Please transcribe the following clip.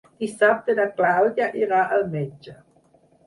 Dissabte na Clàudia irà al metge.